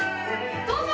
どうぞ！